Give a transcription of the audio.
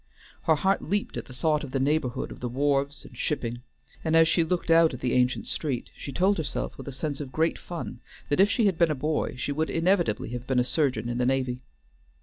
Her heart leaped at the thought of the neighborhood of the wharves and shipping, and as she looked out at the ancient street, she told herself with a sense of great fun that if she had been a boy she would inevitably have been a surgeon in the navy.